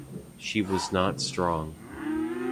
She was not strong.